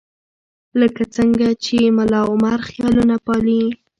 لکه څنګه چې ملاعمر خیالونه پالي.